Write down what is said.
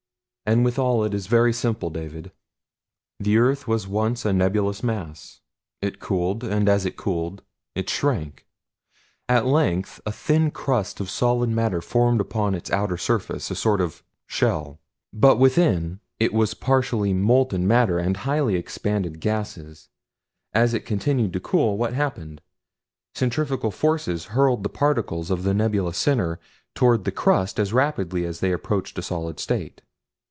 "And withal it is very simple, David. The earth was once a nebulous mass. It cooled, and as it cooled it shrank. At length a thin crust of solid matter formed upon its outer surface a sort of shell; but within it was partially molten matter and highly expanded gases. As it continued to cool, what happened? Centrifugal force hurled the particles of the nebulous center toward the crust as rapidly as they approached a solid state.